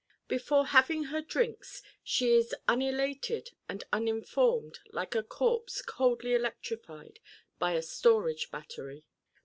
Before having her drinks she is unelated and uninformed like a corpse coldly electrified by a storage battery.